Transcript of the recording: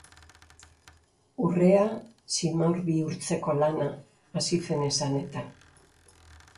Urrea simaur bihurtzeko lana, Asifen esanetan.